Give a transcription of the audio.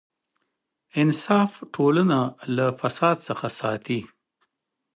انصاف ټولنه له فساد څخه ساتي.